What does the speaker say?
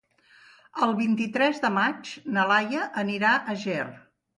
El vint-i-tres de maig na Laia anirà a Ger.